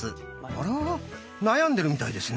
あら悩んでるみたいですね。